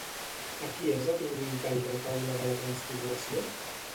A qui és atribuït el Retaule de la Transfiguració?